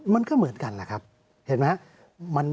มันก็เหมือนกันนะครับเห็นไหม